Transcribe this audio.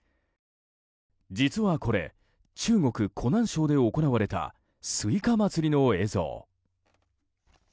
実はこれ、中国湖南省で行われたスイカ祭りの映像。